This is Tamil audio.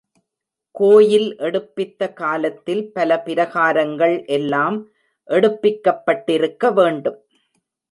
கோயில் எடுப்பித்த காலத்தில் பல பிராகாரங்கள் எல்லாம் எடுப்பிக்கப்பட்டிருக்க வேண்டும்.